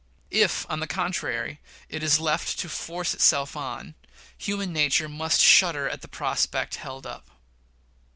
If, on the contrary, it is left to force itself on, human nature must shudder at the prospect held up."